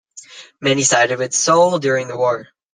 Many sided with Seoul during the war.